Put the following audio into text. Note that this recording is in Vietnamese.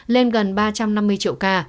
lên gần ba trăm năm mươi triệu ca